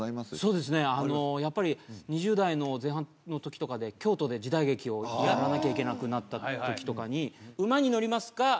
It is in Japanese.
そうですねやっぱり２０代の前半の時とかで京都で時代劇をやらなきゃいけなくなった時とかに馬に乗りますか？